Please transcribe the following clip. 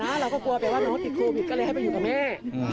เราก็กลัวไปว่าน้องติดโควิดก็เลยให้ไปอยู่กับแม่